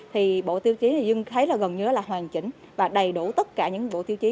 thì bộ tiêu chí người dân thấy là gần như là hoàn chỉnh và đầy đủ tất cả những bộ tiêu chí